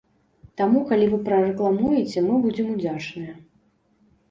Таму калі вы прарэкламуеце, мы будзем удзячныя.